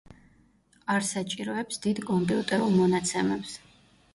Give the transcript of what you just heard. არ საჭიროებს დიდ კომპიუტერულ მონაცემებს.